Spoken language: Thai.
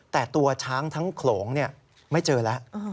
แต่ตัวช้างทั้งโขลงไม่เจอแล้ว